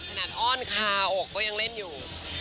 อ้อนคาอกก็ยังเล่นอยู่